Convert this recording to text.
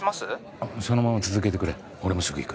あっうんそのまま続けてくれ俺もすぐ行く。